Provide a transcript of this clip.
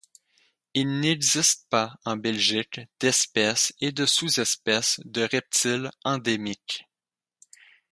Il n'existe pas en Belgique d'espèce et de sous-espèce de reptile endémique.